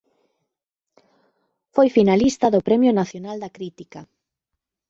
Foi finalista do Premio Nacional da Crítica.